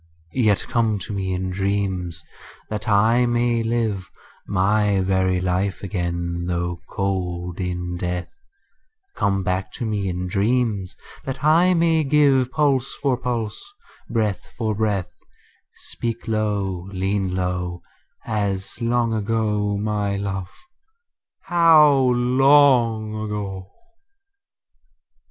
Yet come to me in dreams, that I may live My very life again though cold in death: Come back to me in dreams, that I may give Pulse for pulse, breath for breath: Speak low, lean low, As long ago, my love, how long ago!